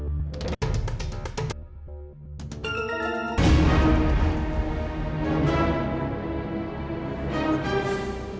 kok ibu nanya begitu